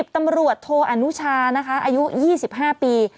๑๐ตำรวจโทออนุชาอายุ๒๕ปี